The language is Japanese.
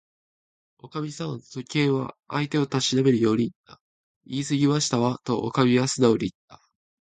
「おかみさん」と、Ｋ は相手をたしなめるようにいった。「いいすぎましたわ」と、おかみはすなおにいった。